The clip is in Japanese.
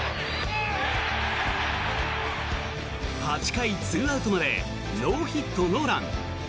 ８回２アウトまでノーヒット・ノーラン。